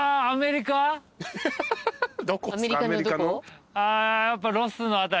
アメリカの。